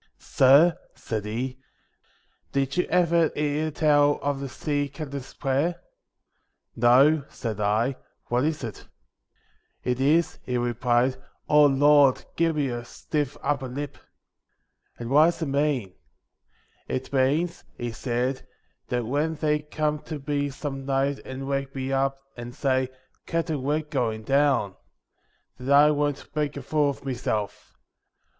1 Sur,' said he, ' did you ever hear tell of the sea captain's prayer ?'' No,' said I ;' what is it ?' 163 The < It is,' he replied, '" O Lord, give me a Twilight, stiff upper lip." ' 1 And what does that mean ?' 'It means,' he said, 'that when they come to me some night and wake me up, and say, "Captain, we're going down," that I won't make a fool o' meself.